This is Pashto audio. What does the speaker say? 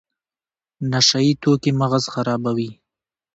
نشه یي توکي مغز خرابوي